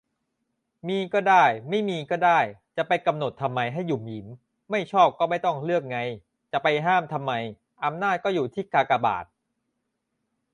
มีก็ได้ ไม่มีก็ได้ จะไปกำหนดทำไมให้หยุมหยิม ไม่ชอบก็ไม่ต้องเลือกไง จะไปห้ามทำไม อำนาจก็อยู่ที่กากบาท